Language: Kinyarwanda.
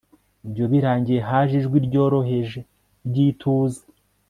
Ibyo birangiye haje ijwi ryoroheje ryituza